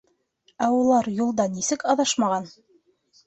Ә улар юлда нисек аҙашмаған?